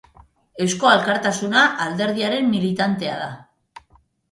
Eusko Alkartasuna alderdiaren militantea da.